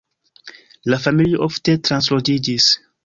La familio ofte transloĝiĝis.